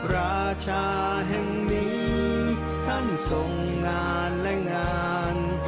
ราชาแห่งนี้ท่านทรงงานและงาน